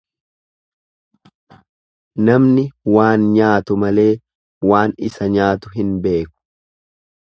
Namni waan nyaatu malee waan isa nyaatu hin beeku.